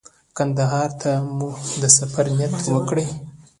کندهار ته مو د سفر نیت کړی و.